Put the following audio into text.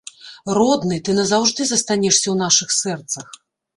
Родны, ты назаўжды застанешся ў нашых сэрцах.